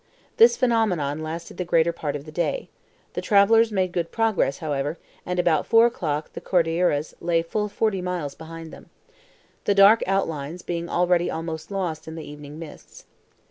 This phenomenon lasted the greater part of the day. The travelers made good progress, however, and about four o'clock the Cordilleras lay full forty miles behind them, the dark outlines being already almost lost in the evening mists.